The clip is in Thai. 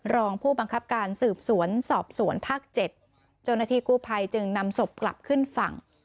รองผู้บังคับการสืบสวนสอบสวนภาค๗เจ้าหน้าที่กู้ภัยจึงนำศพกลับขึ้นฝั่ง